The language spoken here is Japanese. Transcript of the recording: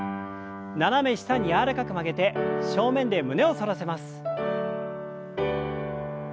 斜め下に柔らかく曲げて正面で胸を反らせます。